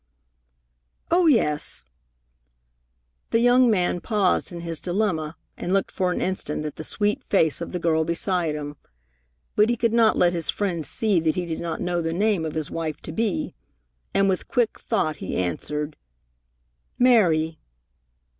"Oh, yes." The young man paused in his dilemma and looked for an instant at the sweet face of the girl beside him. But he could not let his friend see that he did not know the name of his wife to be, and with quick thought he answered, "Mary!"